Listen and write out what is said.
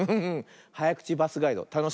はやくちバスガイドたのしいね。